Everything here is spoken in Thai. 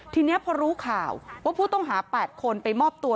ทีนี้พอรู้ข่าวว่าผู้ต้องหา๘คนไปมอบตัว